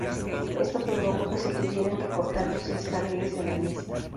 Esto provocó que se tuvieran que cortar los seis carriles de la misma.